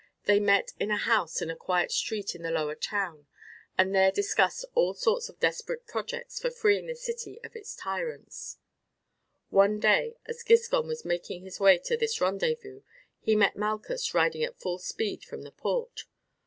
They met in a house in a quiet street in the lower town, and there discussed all sorts of desperate projects for freeing the city of its tyrants. One day as Giscon was making his way to this rendezvous he met Malchus riding at full speed from the port.